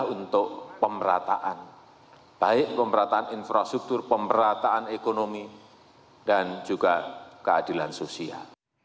untuk pemerataan baik pemerataan infrastruktur pemerataan ekonomi dan juga keadilan sosial